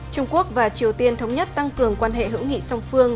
trung quốc và triều tiên thống nhất tăng cường quan hệ hữu nghị song phương